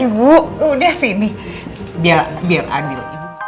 ibu udah sini biar adil